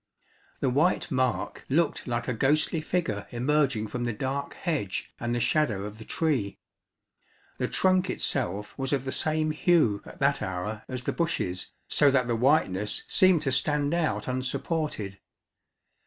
The white mark looked like a ghostly figure emerging from the dark hedge and the shadow of the tree. The trunk itself was of the same hue at that hour as the bushes, so that the whiteness seemed to stand out unsupported.